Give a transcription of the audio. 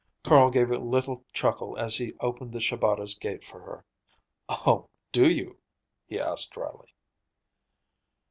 Carl gave a little chuckle as he opened the Shabatas' gate for her. "Oh, do you?" he asked dryly.